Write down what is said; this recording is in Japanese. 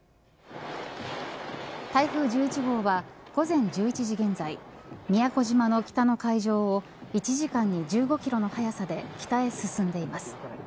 台風１１号は午前１１時現在宮古島の北の海上を１時間に１５キロの速さで北へ進んでいます。